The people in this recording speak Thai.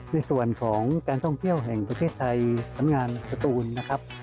ในส่วนของการท่องเที่ยวแห่งประเทศไทยสำงานสตูนนะครับ